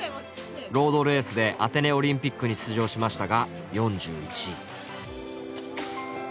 ロードレースでアテネオリンピックに出場しましたが４１位。